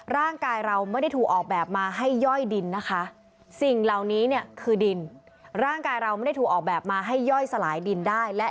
ร่างกายเราไม่ได้ถูกออกแบบมาให้ย่อยดินนะคะ